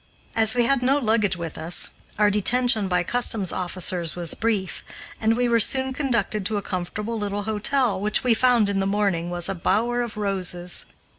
As we had no luggage with us, our detention by customs officers was brief, and we were soon conducted to a comfortable little hotel, which we found in the morning was a bower of roses.